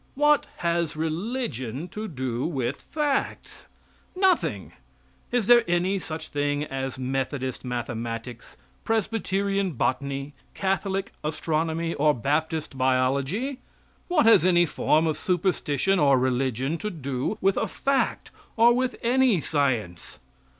What has religion to do with facts? Nothing. Is there any such thing as Methodist mathematics, Presbyterian botany, Catholic astronomy or Baptist biology? What has any form of superstition or religion to do with a fact or with any science?